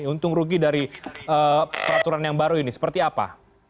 untung rugi dari peraturan yang baru ini seperti apa